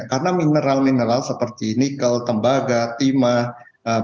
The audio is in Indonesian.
karena mineral mineral seperti nikel tembaga timah boksit